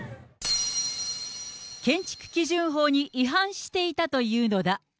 建築基準法に違反していたというのだ。